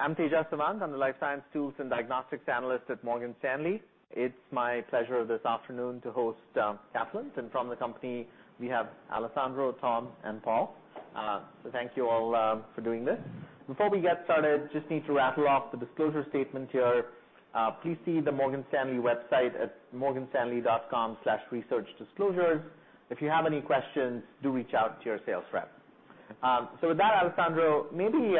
I'm TJ Savant, I'm the Life Science Tools and Diagnostics Analyst at Morgan Stanley. It's my pleasure this afternoon to host Catalent. From the company, we have Alessandro, Tom, and Paul. So thank you all for doing this. Before we get started, just need to rattle off the disclosure statement here. Please see the Morgan Stanley website at morganstanley.com/researchdisclosures. If you have any questions, do reach out to your sales rep. So with that, Alessandro, maybe,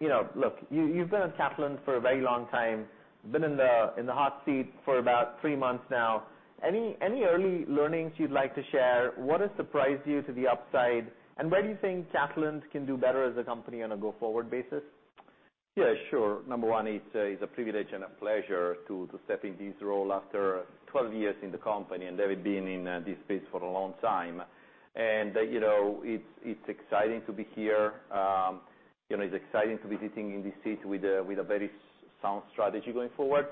you know, look, you've been at Catalent for a very long time, been in the hot seat for about three months now. Any early learnings you'd like to share? What has surprised you to the upside? And where do you think Catalent can do better as a company on a go-forward basis? Yeah, sure. Number one, it's a privilege and a pleasure to step in this role after 12 years in the company and having been in this space for a long time. And, you know, it's exciting to be here. You know, it's exciting to be sitting in this seat with a very sound strategy going forward,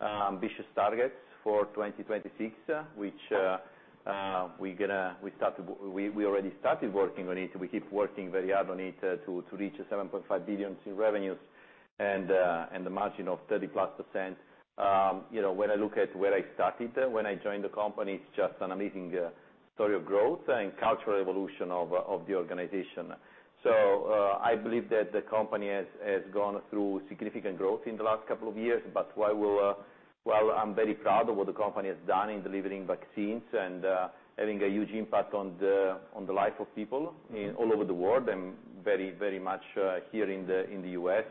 ambitious targets for 2026, which we're gonna start to work on it. We already started working on it. We keep working very hard on it to reach $7.5 billion in revenues and a margin of 30-plus%. You know, when I look at where I started, when I joined the company, it's just an amazing story of growth and cultural evolution of the organization. So, I believe that the company has gone through significant growth in the last couple of years. But while, well, I'm very proud of what the company has done in delivering vaccines and having a huge impact on the lives of people all over the world and very much here in the US,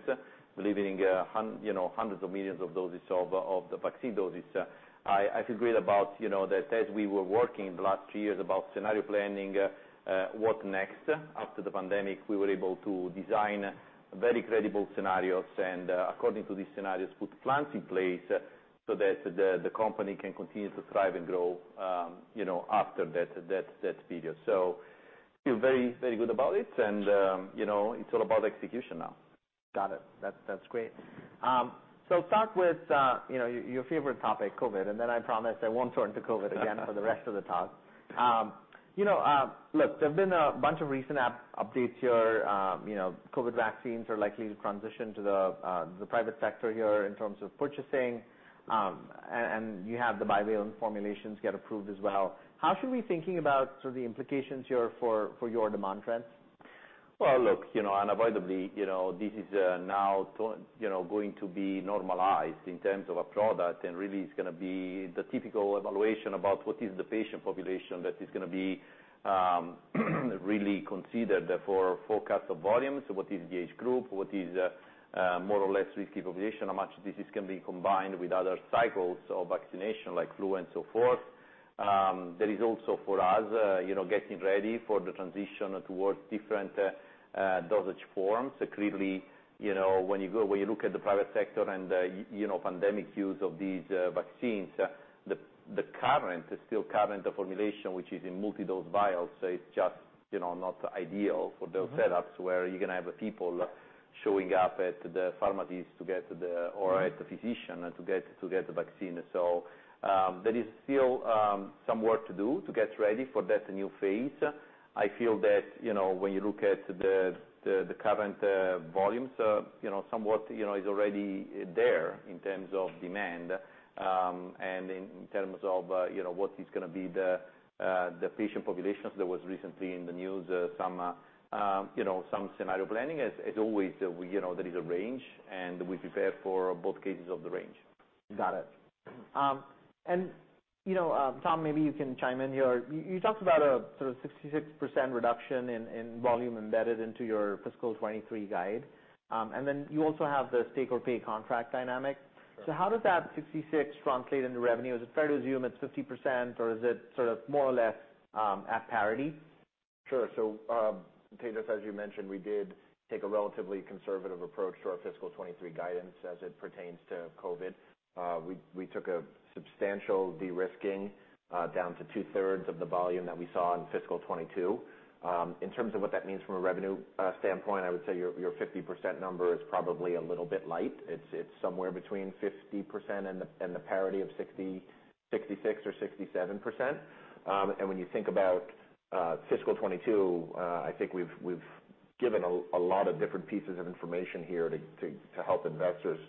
delivering hundreds, you know, hundreds of millions of doses of the vaccine doses. I feel great about, you know, that as we were working in the last three years about scenario planning, what's next after the pandemic. We were able to design very credible scenarios and according to these scenarios put plans in place so that the company can continue to thrive and grow, you know, after that period. So feel very good about it. And, you know, it's all about execution now. Got it. That's great. So start with, you know, your favorite topic, COVID, and then I promise I won't turn to COVID again for the rest of the talk. You know, look, there've been a bunch of recent updates here. You know, COVID vaccines are likely to transition to the private sector here in terms of purchasing. And you have the bivalent formulations get approved as well. How should we be thinking about sort of the implications here for your demand trends? Well, look, you know, unavoidably, you know, this is now to, you know, going to be normalized in terms of a product and really is gonna be the typical evaluation about what is the patient population that is gonna be really considered for forecast of volumes. What is the age group? What is more or less risky population? How much this is gonna be combined with other cycles of vaccination like flu and so forth? There is also for us, you know, getting ready for the transition towards different dosage forms. Clearly, you know, when you look at the private sector and the, you know, pandemic use of these vaccines, the current still current formulation, which is in multidose vials, is just, you know, not ideal for those setups where you're gonna have the people showing up at the pharmacies to get the or at the physician to get the vaccine. So, there is still some work to do to get ready for that new phase. I feel that, you know, when you look at the current volumes, you know, somewhat is already there in terms of demand. And in terms of, you know, what is gonna be the patient populations that was recently in the news, some scenario planning. As always, you know, there is a range and we prepare for both cases of the range. Got it. And, you know, Tom, maybe you can chime in here. You talked about a sort of 66% reduction in volume embedded into your fiscal 2023 guide. And then you also have the take-or-pay contract dynamic. Sure. So how does that 66 translate into revenue? Is it fair to assume it's 50% or is it sort of more or less, at parity? Sure. So, Tejas, as you mentioned, we did take a relatively conservative approach to our fiscal 2023 guidance as it pertains to COVID. We took a substantial de-risking, down to two-thirds of the volume that we saw in fiscal 2022. In terms of what that means from a revenue standpoint, I would say your 50% number is probably a little bit light. It's somewhere between 50% and the parity of 60%, 66% or 67%. And when you think about fiscal 2022, I think we've given a lot of different pieces of information here to help investors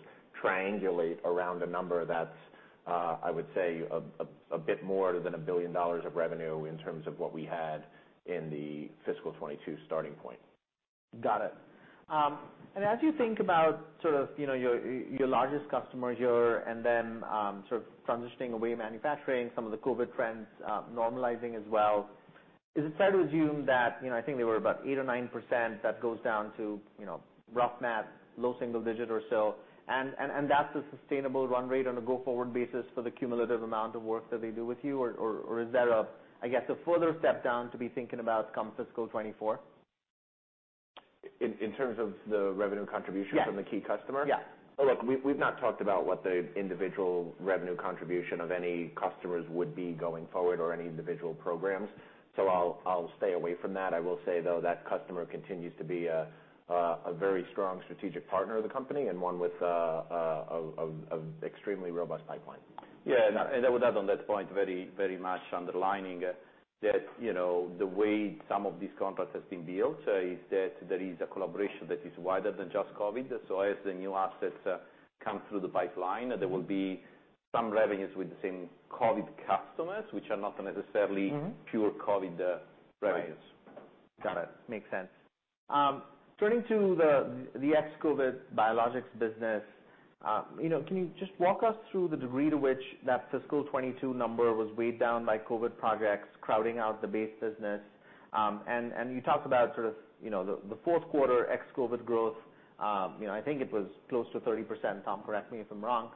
triangulate around a number that's, I would say, a bit more than $1 billion of revenue in terms of what we had in the fiscal 2022 starting point. Got it. And as you think about sort of, you know, your, your largest customers here and then, sort of transitioning away manufacturing, some of the COVID trends, normalizing as well, is it fair to assume that, you know, I think they were about 8% or 9% that goes down to, you know, rough math, low single digit or so, and that's a sustainable run rate on a go-forward basis for the cumulative amount of work that they do with you? Or is there a, I guess, a further step down to be thinking about come fiscal 2024? In terms of the revenue contribution. Yeah. From the key customer? Yeah. Look, we've not talked about what the individual revenue contribution of any customers would be going forward or any individual programs. So I'll stay away from that. I will say, though, that customer continues to be a very strong strategic partner of the company and one with an extremely robust pipeline. Yeah. And I would add on that point very much underlining that, you know, the way some of these contracts have been built is that there is a collaboration that is wider than just COVID. So as the new assets come through the pipeline, there will be some revenues with the same COVID customers, which are not necessarily. Mm-hmm. Pure COVID revenues. Got it. Makes sense. Turning to the ex-COVID biologics business, you know, can you just walk us through the degree to which that fiscal 2022 number was weighed down by COVID projects crowding out the base business? And you talked about sort of, you know, the fourth quarter ex-COVID growth. You know, I think it was close to 30%. Tom, correct me if I'm wrong.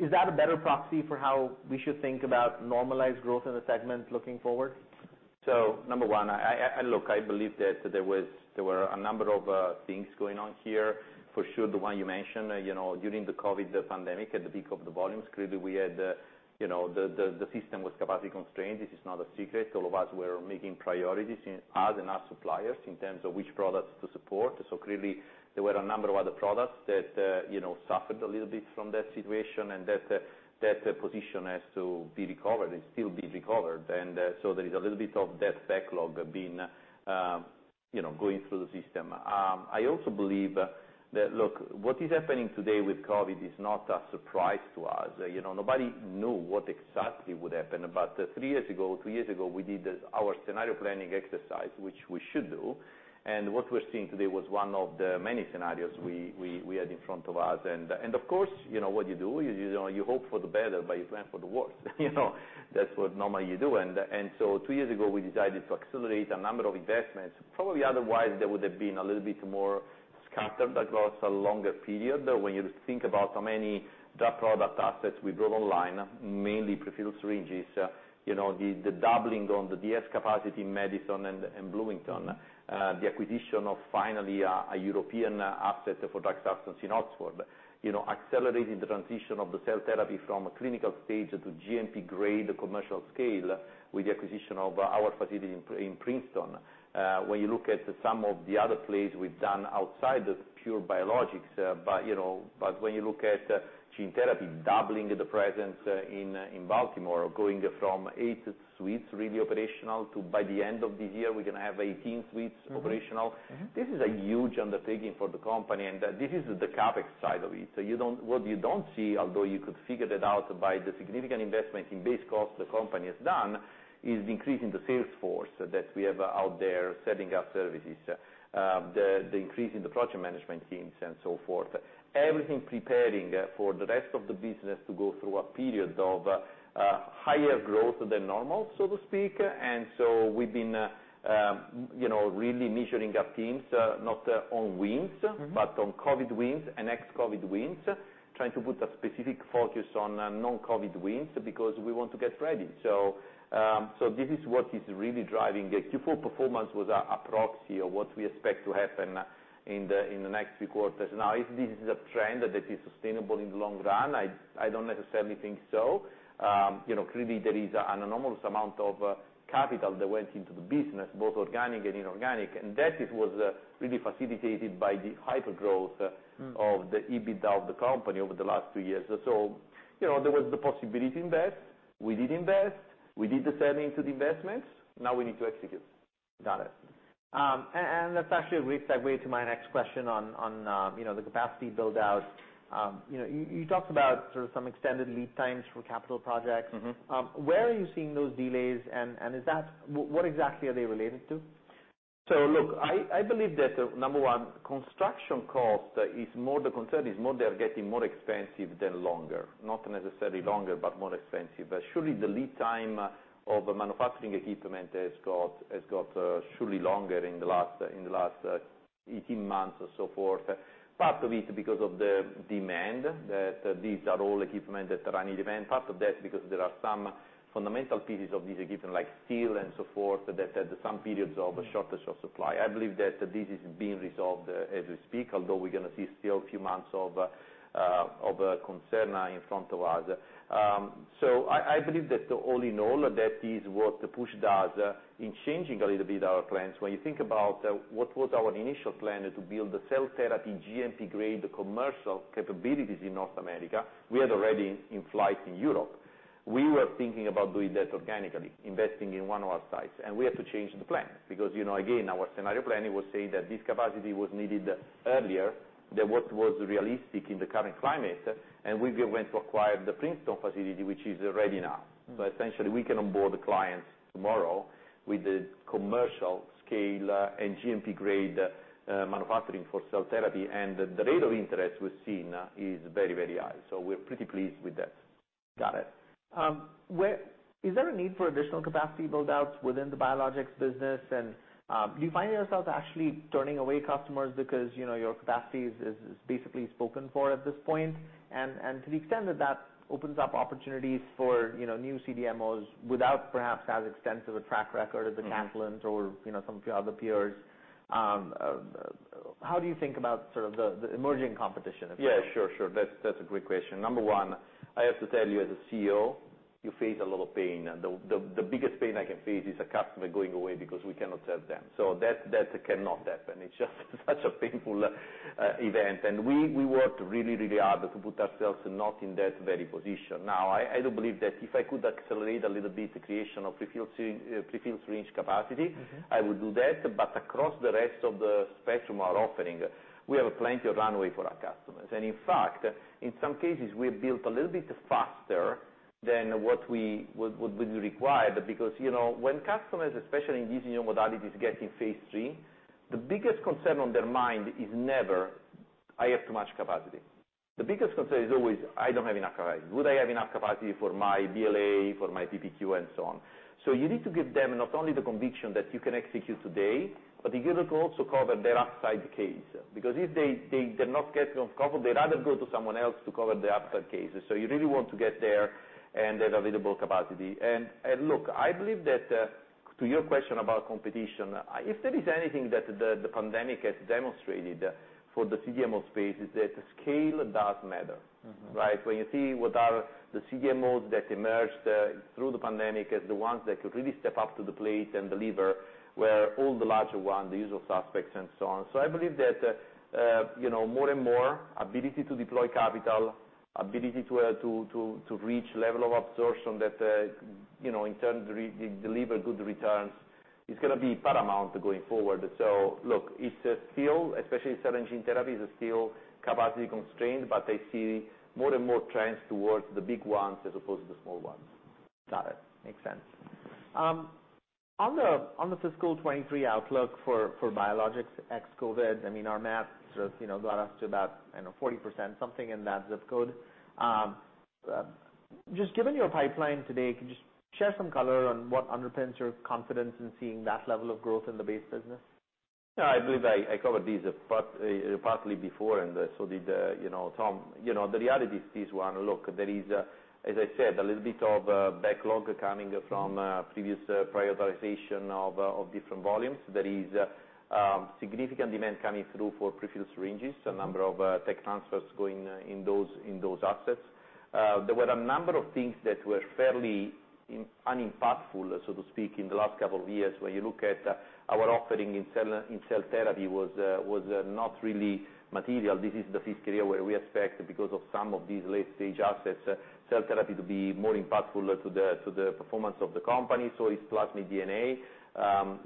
Is that a better proxy for how we should think about normalized growth in the segment looking forward? Number one, I look, I believe that there were a number of things going on here. For sure, the one you mentioned, you know, during the COVID, the pandemic, at the peak of the volumes, clearly we had, you know, the system was capacity constrained. This is not a secret. All of us were making priorities in the US and our suppliers in terms of which products to support. So clearly there were a number of other products that, you know, suffered a little bit from that situation and that position has to be recovered and still be recovered. So there is a little bit of that backlog being, you know, going through the system. I also believe that, look, what is happening today with COVID is not a surprise to us. You know, nobody knew what exactly would happen. But three years ago, two years ago, we did our scenario planning exercise, which we should do. And what we're seeing today was one of the many scenarios we had in front of us. And of course, you know, what you do, you know, you hope for the better, but you plan for the worst. You know, that's what normally you do. And so two years ago, we decided to accelerate a number of investments. Probably otherwise, there would have been a little bit more scattered across a longer period when you think about how many drug product assets we brought online, mainly prefilled syringes, you know, the doubling on the DS capacity in Madison and Bloomington, the acquisition of finally a European asset for drug substance in Oxford, you know, accelerating the transition of the cell therapy from clinical stage to GMP-grade commercial scale with the acquisition of our facility in Princeton. When you look at some of the other plays we've done outside of pure biologics, but you know, when you look at gene therapy doubling the presence in Baltimore, going from eight suites really operational to by the end of this year, we're gonna have 18 suites. Mm-hmm. Operational. Mm-hmm. This is a huge undertaking for the company. And this is the CapEx side of it. You don't see what you don't see, although you could figure that out by the significant investment in base cost the company has done, is the increase in the sales force that we have out there selling our services, the increase in the project management teams and so forth. Everything preparing for the rest of the business to go through a period of higher growth than normal, so to speak. And so we've been, you know, really measuring our teams not on wins. Mm-hmm. But on COVID wins and ex-COVID wins, trying to put a specific focus on non-COVID wins because we want to get ready. So this is what is really driving. The Q4 performance was a proxy of what we expect to happen in the next three quarters. Now, if this is a trend that is sustainable in the long run, I don't necessarily think so, you know. Clearly there is an enormous amount of capital that went into the business, both organic and inorganic. And that was really facilitated by the hypergrowth. Mm-hmm. Of the EBITDA of the company over the last two years. So, you know, there was the possibility to invest. We did invest. We did the selling to the investments. Now we need to execute. Got it. And that's actually a great segue to my next question on, you know, the capacity build-out. You know, you talked about sort of some extended lead times for capital projects. Mm-hmm. Where are you seeing those delays? And is that what exactly are they related to? So look, I believe that, number one, construction cost is more the concern. They're getting more expensive than longer. Not necessarily longer, but more expensive. Surely the lead time of manufacturing equipment has got longer in the last 18 months or so forth. Part of it because of the demand. These are all equipment that are under demand. Part of that because there are some fundamental pieces of these equipment like steel and so forth that had some periods of a shortage of supply. I believe that this is being resolved as we speak, although we're gonna see still a few months of concern in front of us. I believe that all in all, that is what the push does in changing a little bit our plans. When you think about what was our initial plan to build the cell therapy GMP-grade commercial capabilities in North America, we had already in flight in Europe. We were thinking about doing that organically, investing in one of our sites. And we had to change the plan because, you know, again, our scenario planning was saying that this capacity was needed earlier than what was realistic in the current climate. And we went to acquire the Princeton facility, which is ready now. Mm-hmm. So essentially we can onboard the clients tomorrow with the commercial scale and GMP-grade, manufacturing for cell therapy. And the rate of interest we've seen is very, very high. So we're pretty pleased with that. Got it. Where is there a need for additional capacity build-outs within the biologics business? And do you find yourself actually turning away customers because, you know, your capacity is basically spoken for at this point? And to the extent that that opens up opportunities for, you know, new CDMOs without perhaps as extensive a track record as the. Mm-hmm. Catalent or, you know, some of your other peers, how do you think about sort of the, the emerging competition? Yeah. Sure. Sure. That's a great question. Number one, I have to tell you as a CEO, you face a lot of pain. And the biggest pain I can face is a customer going away because we cannot serve them. So that cannot happen. It's just such a painful event. And we worked really, really hard to put ourselves not in that very position. Now, I do believe that if I could accelerate a little bit the creation of prefilled syringe capacity. Mm-hmm. I would do that. But across the rest of the spectrum of our offering, we have plenty of runway for our customers. And in fact, in some cases, we have built a little bit faster than what we required because, you know, when customers, especially in these new modalities, get in phase three, the biggest concern on their mind is never, "I have too much capacity." The biggest concern is always, "I don't have enough capacity. Would I have enough capacity for my BLA, for my PPQ, and so on?" So you need to give them not only the conviction that you can execute today, but you give them to also cover their upside case. Because if they, they're not getting covered, they'd rather go to someone else to cover their upside cases. So you really want to get there and have available capacity. Look, I believe that, to your question about competition, if there is anything that the pandemic has demonstrated for the CDMO space is that the scale does matter. Mm-hmm. Right? When you see what are the CDMOs that emerged through the pandemic as the ones that could really step up to the plate and deliver where all the larger ones, the usual suspects, and so on. So I believe that, you know, more and more ability to deploy capital, ability to reach level of absorption that, you know, in turn redeliver good returns is gonna be paramount going forward. So look, it's still, especially cell and gene therapy, is still capacity constrained, but I see more and more trends towards the big ones as opposed to the small ones. Got it. Makes sense. On the fiscal 2023 outlook for biologics ex-COVID, I mean, our math sort of, you know, got us to about, I don't know, 40% something in that zip code. Just given your pipeline today, could you share some color on what underpins your confidence in seeing that level of growth in the base business? Yeah. I believe I, I covered these apart, partly before, and so did, you know, Tom. You know, the reality is this one. Look, there is, as I said, a little bit of backlog coming from previous prioritization of different volumes. There is significant demand coming through for prefilled syringes, a number of tech transfers going in those assets. There were a number of things that were fairly unimpactful, so to speak, in the last couple of years. When you look at our offering in cell therapy was not really material. This is the fiscal year where we expect because of some of these late-stage assets, cell therapy to be more impactful to the performance of the company. So it's plasmid DNA.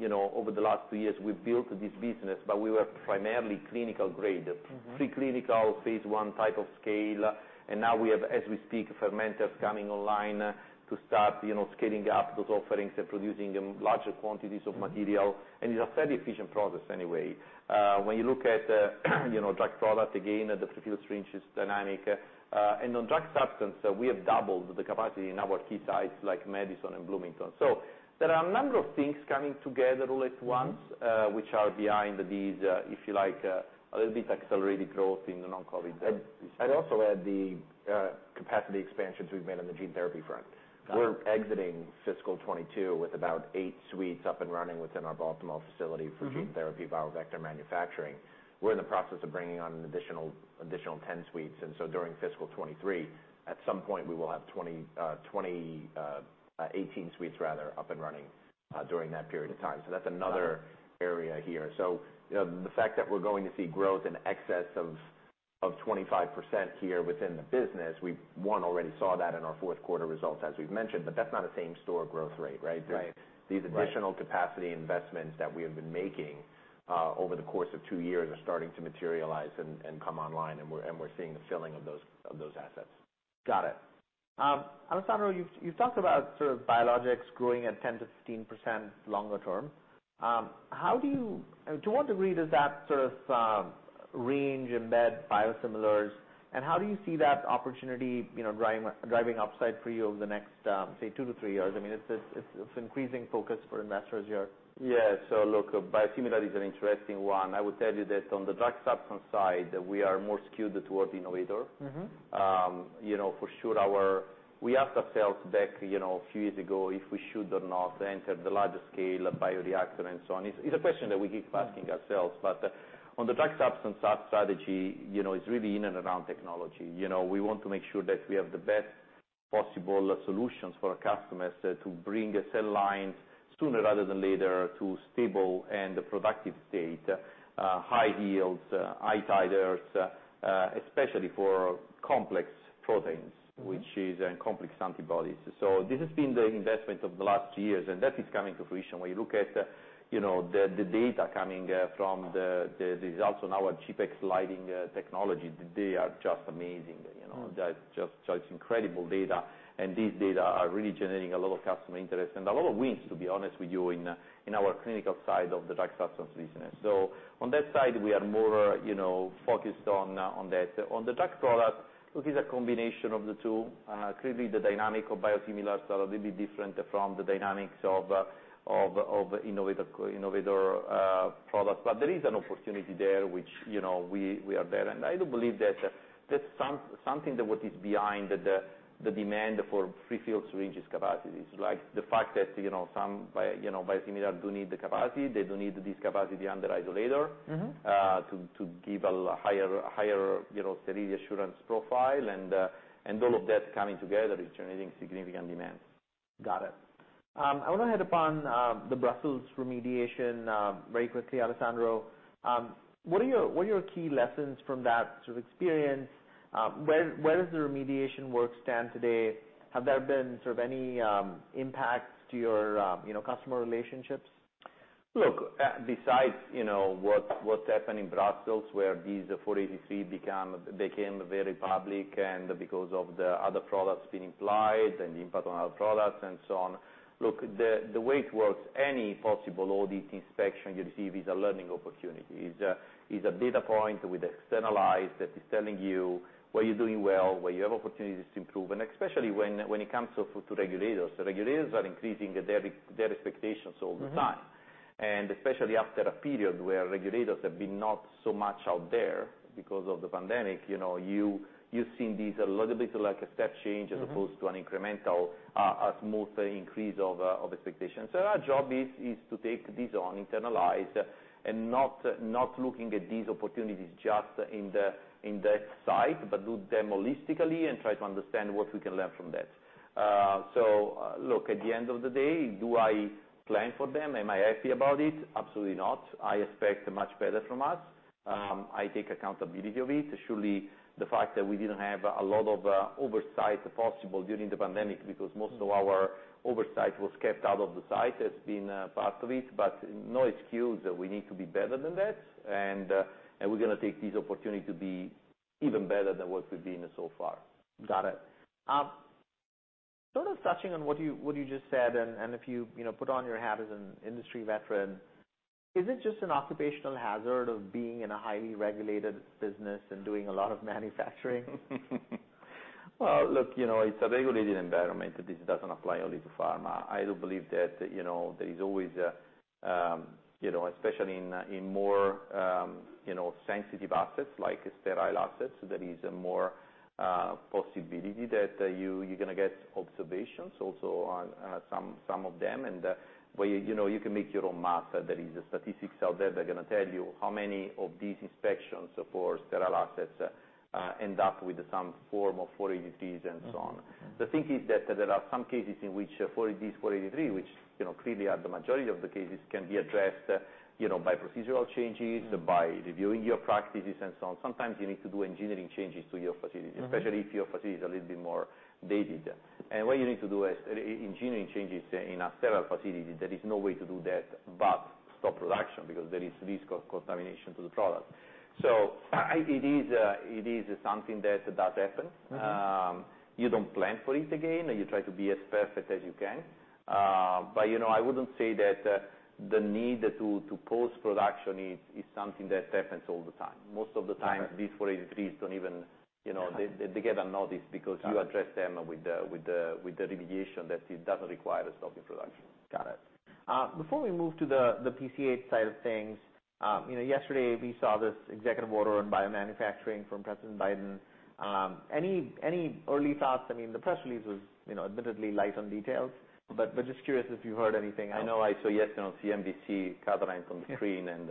You know, over the last two years, we've built this business, but we were primarily clinical-grade. Mm-hmm. Preclinical phase one type of scale, and now we have, as we speak, fermenters coming online to start, you know, scaling up those offerings and producing larger quantities of material, and it's a fairly efficient process anyway. When you look at, you know, drug product, again, the prefilled syringe is dynamic, and on drug substance, we have doubled the capacity in our key sites like Madison and Bloomington, so there are a number of things coming together all at once, which are behind these, if you like, a little bit accelerated growth in the non-COVID space. And also at the capacity expansions we've made on the gene therapy front. Got it. We're exiting fiscal 2022 with about eight suites up and running within our Baltimore facility for gene therapy biovector manufacturing. We're in the process of bringing on an additional 10 suites. And so during fiscal 2023, at some point, we will have 20, 20, 18 suites, rather, up and running, during that period of time. So that's another area here. So, you know, the fact that we're going to see growth in excess of 25% here within the business, we've already seen that in our fourth quarter results, as we've mentioned. But that's not the same store growth rate, right? Right. These additional capacity investments that we have been making, over the course of two years are starting to materialize and come online, and we're seeing the filling of those assets. Got it. Alessandro, you've talked about sort of biologics growing at 10% to 15% longer term. How do you to what degree does that sort of range embed biosimilars? And how do you see that opportunity, you know, driving upside for you over the next, say, two to three years? I mean, it's an increasing focus for investors here. Yeah. So look, biosimilars is an interesting one. I would tell you that on the drug substance side, we are more skewed toward innovator. Mm-hmm. You know, for sure, we asked ourselves back, you know, a few years ago if we should or not enter the larger scale bioreactor and so on. It's a question that we keep asking ourselves. But, on the drug substance, our strategy, you know, is really in and around technology. You know, we want to make sure that we have the best possible solutions for our customers to bring cell lines sooner rather than later to stable and productive state, high yields, high titers, especially for complex proteins. Mm-hmm. Which is complex antibodies. So this has been the investment of the last two years. And that is coming to fruition when you look at, you know, the data coming from the results on our GPEx Lightning technology. They are just amazing. You know, that's just incredible data. And these data are really generating a lot of customer interest and a lot of wins, to be honest with you, in our clinical side of the drug substance business. So on that side, we are more, you know, focused on that. On the drug product, look, it's a combination of the two. Clearly, the dynamic of biosimilars are a little bit different from the dynamics of innovator products. But there is an opportunity there, which, you know, we are there. I do believe that that's something that what is behind the demand for prefilled syringes capacity is like the fact that, you know, some biosimilars do need the capacity. They do need this capacity under isolator. Mm-hmm. to give a higher, you know, sterility assurance profile. And all of that coming together is generating significant demand. Got it. I want to head up on the Brussels remediation very quickly, Alessandro. What are your key lessons from that sort of experience? Where does the remediation work stand today? Have there been sort of any impacts to your, you know, customer relationships? Look, besides, you know, what, what's happened in Brussels where these 483 became very public and because of the other products being implied and the impact on other products and so on. Look, the way it works, any possible audit inspection you receive is a learning opportunity. It's a data point with external eyes that is telling you what you're doing well, where you have opportunities to improve. Especially when it comes to regulators. Regulators are increasing their expectations all the time. Mm-hmm. And especially after a period where regulators have been not so much out there because of the pandemic, you know, you've seen these a little bit like a step change as opposed to an incremental, a smooth increase of expectations. So our job is to take these on, internalize, and not looking at these opportunities just in the site, but look at them holistically and try to understand what we can learn from that. So, look, at the end of the day, do I plan for them? Am I happy about it? Absolutely not. I expect much better from us. I take accountability of it. Surely the fact that we didn't have a lot of oversight possible during the pandemic because most of our oversight was kept out of the site has been part of it. But no excuse that we need to be better than that. And we're gonna take this opportunity to be even better than what we've been so far. Got it. Sort of touching on what you just said and if you, you know, put on your hat as an industry veteran, is it just an occupational hazard of being in a highly regulated business and doing a lot of manufacturing? Look, you know, it's a regulated environment. This doesn't apply only to pharma. I do believe that, you know, there is always, you know, especially in more, you know, sensitive assets like sterile assets, there is more possibility that you're gonna get observations also on some of them, and where, you know, you can make your own math. There is statistics out there that are gonna tell you how many of these inspections for sterile assets end up with some form of 483s and so on. Mm-hmm. The thing is that there are some cases in which 483s, 483, which, you know, clearly are the majority of the cases, can be addressed, you know, by procedural changes, by reviewing your practices and so on. Sometimes you need to do engineering changes to your facility. Mm-hmm. Especially if your facility is a little bit more dated, and what you need to do is, engineering changes in a sterile facility. There is no way to do that but stop production because there is risk of contamination to the product, so it is, it is something that does happen. Mm-hmm. You don't plan for it again. You try to be as perfect as you can. But, you know, I wouldn't say that, the need to post-production is something that happens all the time. Most of the time. Right. These 483s don't even, you know, they get a notice because you address them with the remediation that it doesn't require a stop in production. Got it. Before we move to the PCH side of things, you know, yesterday we saw this executive order on biomanufacturing from President Biden. Any early thoughts? I mean, the press release was, you know, admittedly light on details. But just curious if you heard anything. I know I saw yesterday on CNBC, Catalent on the screen, and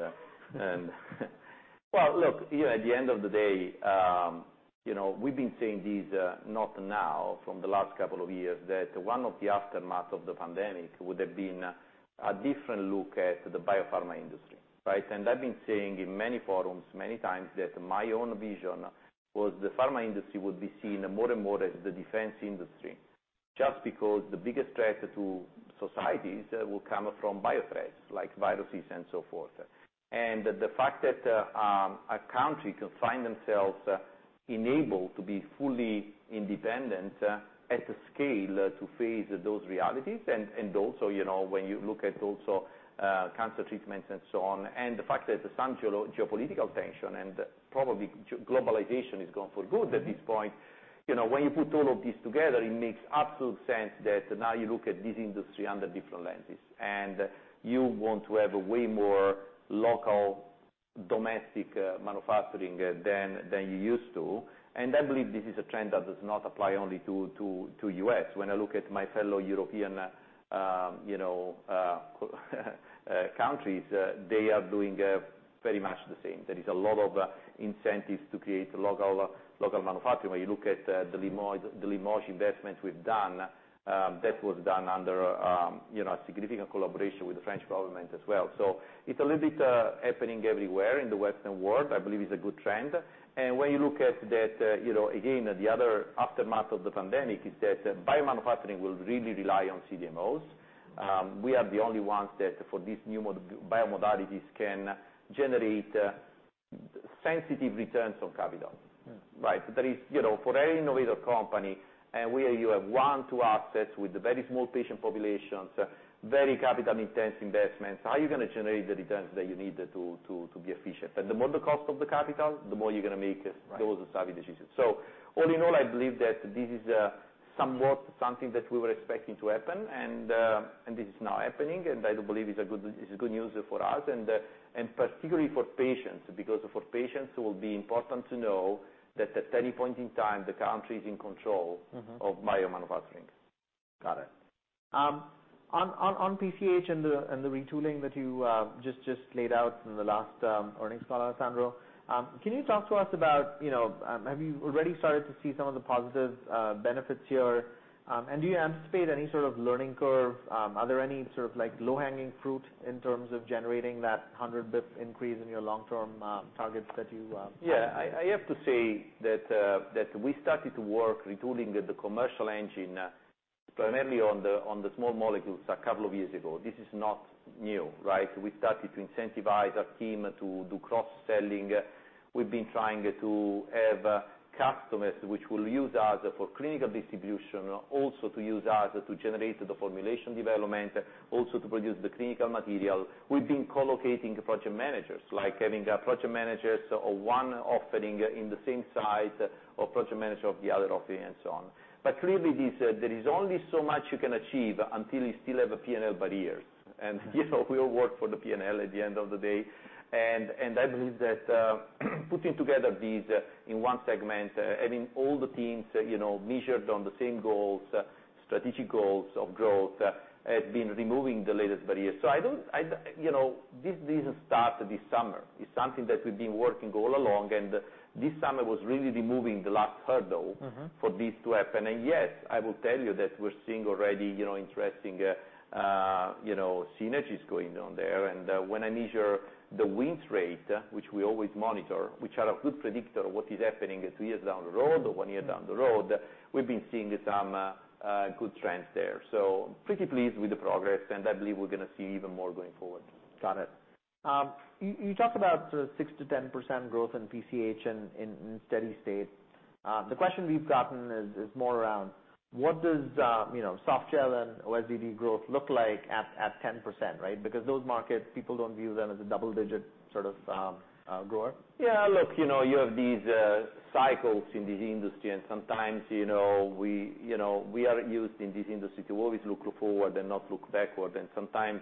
well, look, you know, at the end of the day, you know, we've been seeing these, not now from the last couple of years that one of the aftermaths of the pandemic would have been a different look at the biopharma industry, right? And I've been seeing in many forums many times that my own vision was the pharma industry would be seen more and more as the defense industry just because the biggest threat to societies will come from biothreats like viruses and so forth. And the fact that a country can find themselves enabled to be fully independent at the scale to face those realities and also, you know, when you look at also, cancer treatments and so on. And the fact that some geopolitical tension and probably globalization is gone for good at this point, you know, when you put all of these together, it makes absolute sense that now you look at this industry under different lenses. And you want to have way more local domestic manufacturing than you used to. And I believe this is a trend that does not apply only to US When I look at my fellow European, you know, countries, they are doing very much the same. There is a lot of incentives to create local manufacturing. When you look at the Limoges investment we've done, that was done under, you know, a significant collaboration with the French government as well. So it's a little bit happening everywhere in the Western world. I believe it's a good trend. And when you look at that, you know, again, the other aftermath of the pandemic is that biomanufacturing will really rely on CDMOs. We are the only ones that for these new modalities can generate significant returns on capital. Mm-hmm. Right? There is, you know, for every innovator company, and where you have one or two assets with very small patient populations, very capital-intense investments, how are you gonna generate the returns that you need to be efficient? And the more the cost of the capital, the more you're gonna make those savvy decisions. Right. So all in all, I believe that this is somewhat something that we were expecting to happen. And this is now happening. And I do believe it's good news for us and particularly for patients because for patients will be important to know that at any point in time, the country is in control. Mm-hmm. Of biomanufacturing. Got it. On PCH and the retooling that you laid out in the last earnings call, Alessandro, can you talk to us about, you know, have you already started to see some of the positive benefits here? Do you anticipate any sort of learning curve? Are there any sort of like low-hanging fruit in terms of generating that 100 basis points increase in your long-term targets that you, Yeah. I have to say that we started to work retooling the commercial engine primarily on the small molecules a couple of years ago. This is not new, right? We started to incentivize our team to do cross-selling. We've been trying to have customers which will use us for clinical distribution, also to use us to generate the formulation development, also to produce the clinical material. We've been co-locating project managers like having project managers of one offering in the same site or project manager of the other offering and so on. But clearly, this, there is only so much you can achieve until you still have P&L barriers. And, you know, we all work for the P&L at the end of the day. I believe that putting together these in one segment, having all the teams, you know, measured on the same goals, strategic goals of growth, has been removing the latest barriers. So I don't, you know, this started this summer. It's something that we've been working all along. This summer was really removing the last hurdle. Mm-hmm. For this to happen. And yes, I will tell you that we're seeing already, you know, interesting, you know, synergies going on there. And when I measure the win rate, which we always monitor, which are a good predictor of what is happening two years down the road or one year down the road, we've been seeing some good trends there. So pretty pleased with the progress. And I believe we're gonna see even more going forward. Got it. You talked about sort of 6%-10% growth in PCH and in steady state. The question we've gotten is more around what does, you know, Softgel and OSD growth look like at 10%, right? Because those markets, people don't view them as a double-digit sort of grower. Yeah. Look, you know, you have these cycles in this industry. And sometimes, you know, we, you know, we are used in this industry to always look forward and not look backward. And sometimes,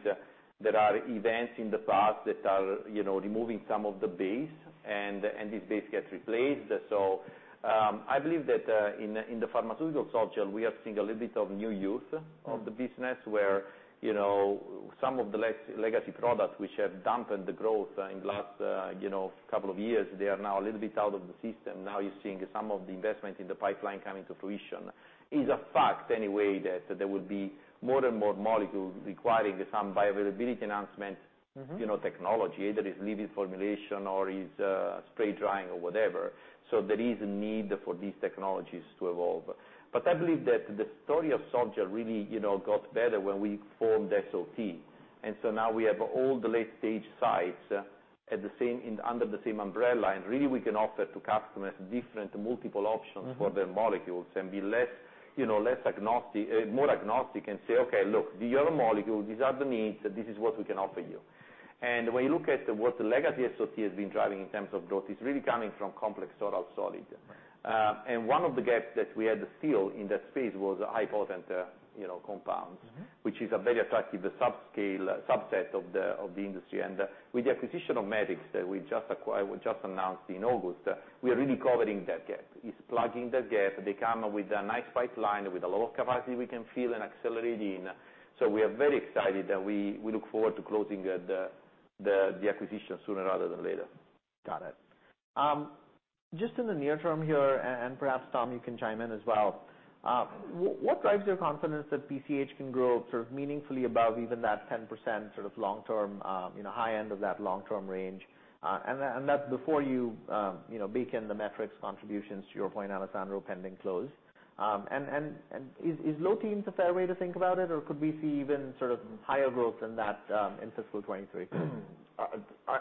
there are events in the past that are, you know, removing some of the base. And, and this base gets replaced. So, I believe that, in, in the pharmaceutical softgel, we are seeing a little bit of new youth of the business where, you know, some of the legacy products which have dampened the growth in the last, you know, couple of years, they are now a little bit out of the system. Now you're seeing some of the investment in the pipeline coming to fruition. It's a fact anyway that there will be more and more molecules requiring some bioavailability enhancement. Mm-hmm. You know, technology. Either it's liquid formulation or it's spray drying or whatever. So there is a need for these technologies to evolve. But I believe that the story of Softgel really, you know, got better when we formed SOT. And so now we have all the late-stage sites all in under the same umbrella. And really, we can offer to customers different multiple options for their molecules and be less agnostic, you know, more agnostic and say, "Okay, look, these are the molecules. These are the needs. This is what we can offer you." And when you look at what the legacy SOT has been driving in terms of growth, it's really coming from complex oral solids. And one of the gaps that we had still in that space was high-potent, you know, compounds. Mm-hmm. Which is a very attractive subscale subset of the industry. And with the acquisition of Metrics that we just acquired, we just announced in August, we are really covering that gap. It's plugging that gap. They come with a nice pipeline with a lot of capacity we can fill and accelerate in. So we are very excited. And we look forward to closing the acquisition sooner rather than later. Got it. Just in the near term here, and perhaps Tom, you can chime in as well. What drives your confidence that PCH can grow sort of meaningfully above even that 10% sort of long-term, you know, high end of that long-term range? And that's before you, you know, bake in the Metrics contributions to your point, Alessandro, pending close. Is low teens a fair way to think about it? Or could we see even sort of higher growth than that, in fiscal 2023?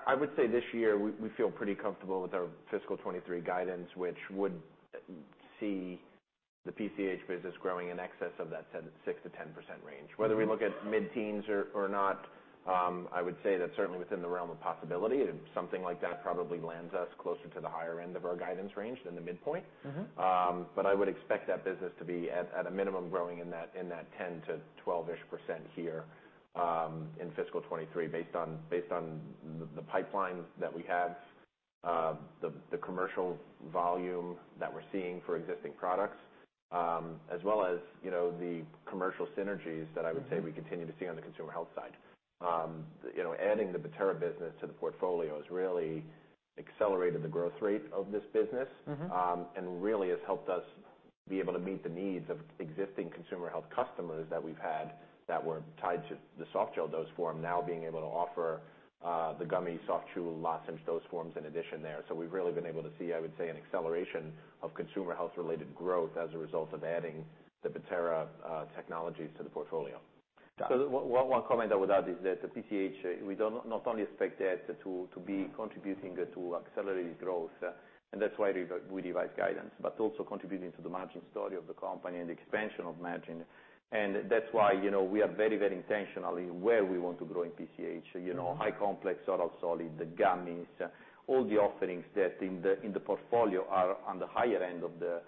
I would say this year we feel pretty comfortable with our fiscal 2023 guidance, which would see the PCH business growing in excess of that 6%-10% range. Whether we look at mid-teens or not, I would say that certainly within the realm of possibility. And something like that probably lands us closer to the higher end of our guidance range than the midpoint. Mm-hmm. But I would expect that business to be at a minimum growing in that 10%-12%-ish here, in fiscal 2023 based on the pipeline that we have, the commercial volume that we're seeing for existing products, as well as, you know, the commercial synergies that I would say we continue to see on the consumer health side. You know, adding the Bettera business to the portfolio has really accelerated the growth rate of this business. Mm-hmm. and really has helped us be able to meet the needs of existing consumer health customers that we've had that were tied to the Softgel dose form, now being able to offer the gummy soft chew lozenge dose forms in addition there. So we've really been able to see, I would say, an acceleration of consumer health-related growth as a result of adding the Bettera technologies to the portfolio. Got it. The one comment I would add is that the PCH, we don't not only expect that to be contributing to accelerate growth, and that's why we revise guidance, but also contributing to the margin story of the company and the expansion of margin. And that's why, you know, we are very, very intentional in where we want to grow in PCH, you know. Mm-hmm. High-complex oral solid, the gummies, all the offerings that in the portfolio are on the higher end of the Zydis,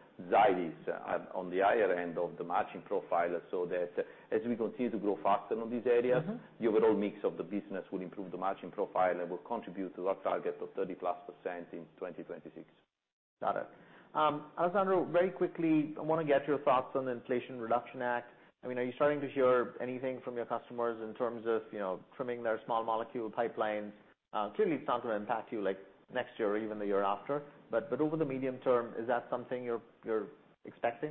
on the higher end of the margin profile so that as we continue to grow faster in these areas. Mm-hmm. The overall mix of the business will improve the margin profile and will contribute to our target of 30-plus% in 2026. Got it. Alessandro, very quickly, I wanna get your thoughts on the Inflation Reduction Act. I mean, are you starting to hear anything from your customers in terms of, you know, trimming their small molecule pipelines? Clearly, it's not gonna impact you like next year or even the year after. But over the medium term, is that something you're expecting?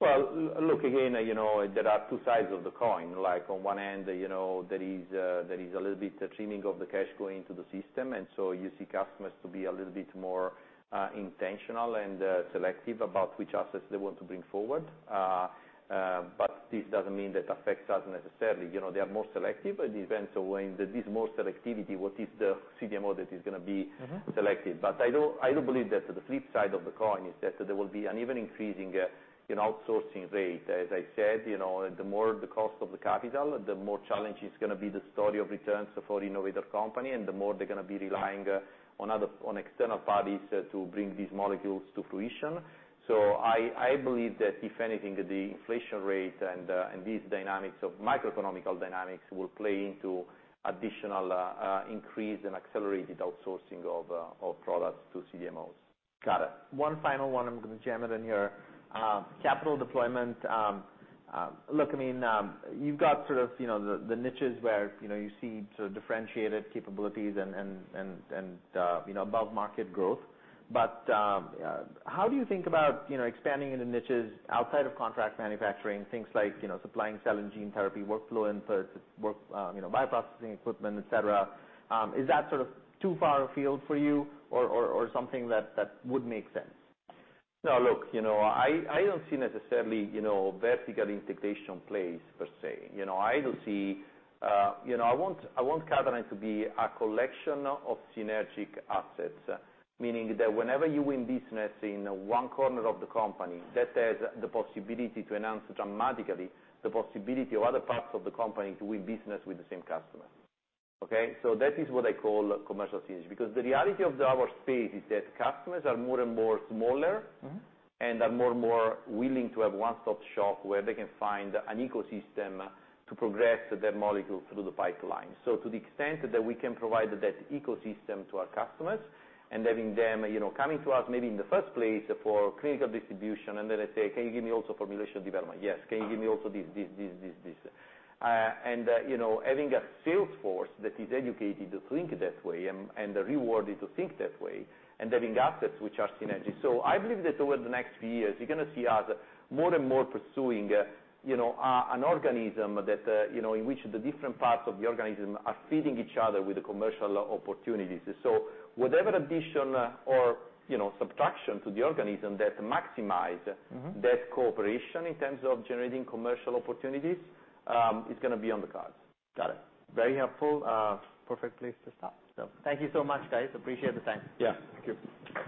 Well, look, again, you know, there are two sides of the coin. Like on one end, you know, there is a little bit of trimming of the cash going into the system. And so you see customers to be a little bit more intentional and selective about which assets they want to bring forward. But this doesn't mean that affects us necessarily. You know, they are more selective. It depends on when there is more selectivity, what is the CDMO that is gonna be. Mm-hmm. Selective. But I do believe that the flip side of the coin is that there will be an even increasing, you know, outsourcing rate. As I said, you know, the more the cost of the capital, the more challenging is gonna be the story of returns for innovator company and the more they're gonna be relying on other external parties to bring these molecules to fruition. So I believe that if anything, the inflation rate and these dynamics of macroeconomic dynamics will play into additional increase and accelerated outsourcing of products to CDMOs. Got it. One final one I'm gonna jam it in here. Capital deployment, look, I mean, you've got sort of, you know, the niches where, you know, you see sort of differentiated capabilities and, you know, above-market growth. But, how do you think about, you know, expanding into niches outside of contract manufacturing, things like, you know, supplying, selling gene therapy workflow inputs, work, you know, bioprocessing equipment, etc.? Is that sort of too far afield for you or, or, or something that, that would make sense? No, look, you know, I don't see necessarily, you know, vertical integration plays per se. You know, I do see, you know, I want Catalent to be a collection of synergistic assets, meaning that whenever you win business in one corner of the company, that has the possibility to enhance dramatically the possibility of other parts of the company to win business with the same customer. Okay? So that is what I call commercial synergy because the reality of our space is that customers are more and more smaller. Mm-hmm. And are more and more willing to have one-stop shop where they can find an ecosystem to progress their molecule through the pipeline. So to the extent that we can provide that ecosystem to our customers and having them, you know, coming to us maybe in the first place for clinical distribution and then they say, "Can you give me also formulation development?" "Yes. Can you give me also this, this, this, this, this?" and, you know, having a salesforce that is educated to think that way and rewarded to think that way and having assets which are synergy. So I believe that over the next few years, you're gonna see us more and more pursuing, you know, an organism that, you know, in which the different parts of the organism are feeding each other with the commercial opportunities. So whatever addition or, you know, subtraction to the organism that maximize. Mm-hmm. That cooperation in terms of generating commercial opportunities is gonna be on the cards. Got it. Very helpful. Perfect place to stop. So thank you so much, guys. Appreciate the time. Yeah. Thank you.